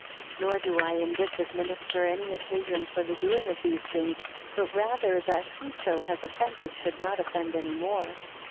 11 Nor do I in this administer any occasion for the doing of these things; but rather that whoso has offended, should not offend any more.